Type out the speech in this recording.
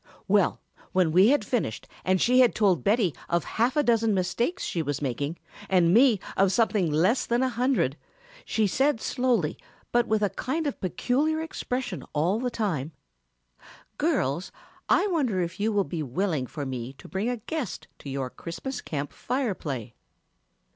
"Well, when we had finished and she had told Betty of half a dozen mistakes she was making and me of something less than a hundred, she said slowly but with a kind of peculiar expression all the time, 'Girls, I wonder if you will be willing for me to bring a guest to your Christmas Camp Fire play?'